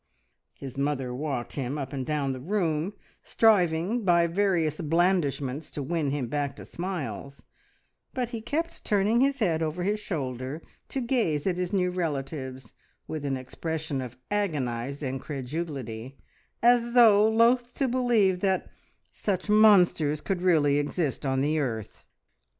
His mother walked him up and down the room, striving by various blandishments to win him back to smiles, but he kept turning his head over his shoulder to gaze at his new relatives with an expression of agonised incredulity, as though loath to believe that such monsters could really exist on the earth.